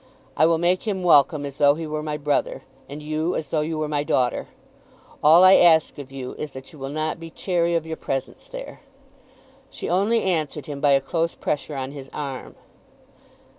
I will make him welcome as though he were my brother, and you as though you were my daughter. All I ask of you is that you will not be chary of your presence there." She only answered him by a close pressure on his arm.